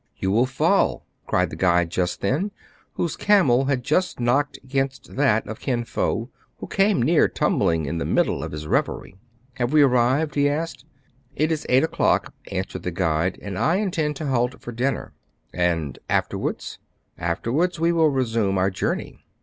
" You will fall !" cried the guide just then, whose camel had just knocked against that of Kin Fo, who came near tumbling in the middle of his revery. " Have we arrived }" he asked. It is eight o'clock," answered the guide, " and I intend to halt for dinner." " And afterwards }"Afterwards we will resume our journey."